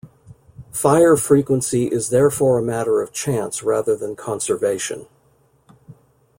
Fire frequency is therefore a matter of chance rather than conservation.